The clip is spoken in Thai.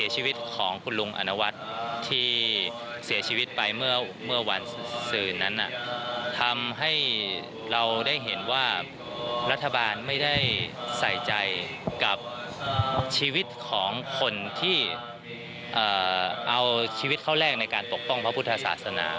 ชีวิตของคนที่เอาชีวิตเข้าแรกในการปกป้องพระพุทธศาสนา